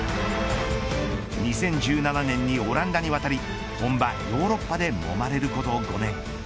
２０１７年にオランダに渡り本場ヨーロッパでもまれること５年。